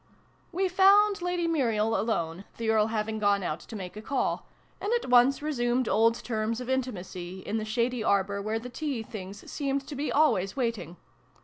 " We found Lady Muriel alone, the Earl having gone out to make a call, and at once resumed old terms of intimacy, in the shady arbour where the tea things seemed to be always waiting.